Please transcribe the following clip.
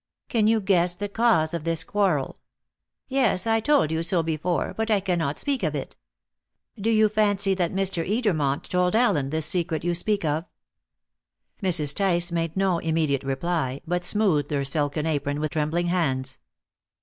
"Can you guess the cause of this quarrel?" "Yes. I told you so before; but I cannot speak of it." "Do you fancy that Mr. Edermont told Allen this secret you speak of?" Mrs. Tice made no immediate reply, but smoothed her silken apron with trembling hands.